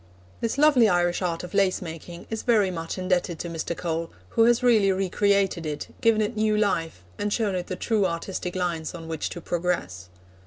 This lovely Irish art of lace making is very much indebted to Mr. Cole, who has really re created it, given it new life, and shown it the true artistic lines on which to progress.